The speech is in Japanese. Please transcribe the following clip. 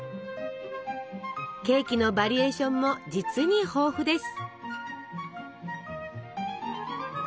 ケーキのバリエーションも実に豊富です！